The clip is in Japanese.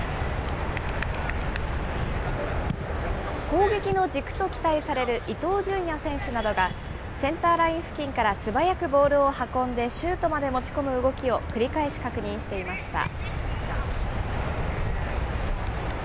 攻撃の軸と期待される伊東純也選手などが、センターライン付近から素早くボールを運んでシュートまで持ち込む動きを、繰り返し確認していました。